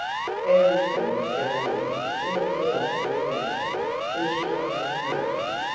Her husband was gardening in a desultory fashion when she got back home.